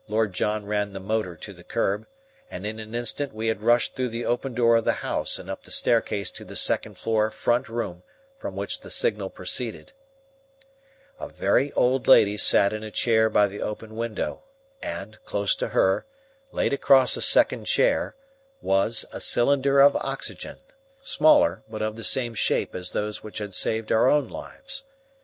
Lord John ran the motor to the curb, and in an instant we had rushed through the open door of the house and up the staircase to the second floor front room from which the signal proceeded. A very old lady sat in a chair by the open window, and close to her, laid across a second chair, was a cylinder of oxygen, smaller but of the same shape as those which had saved our own lives.